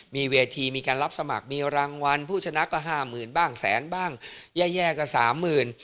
มีเวทีมีการรับสมัครมีรางวัลผู้ชนะก็ห้าหมื่นบ้างแสนบ้างแย่แย่ก็สามหมื่น